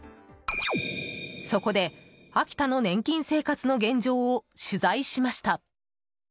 そこで、秋田の年金生活の現状を取材しました。